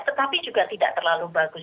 tetapi juga tidak terlalu bagus